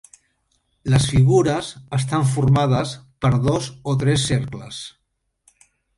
Les figures estan formades per dos o tres cercles.